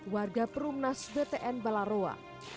warga perumnas btn balaroa